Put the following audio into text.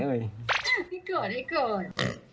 ไม่โกรธ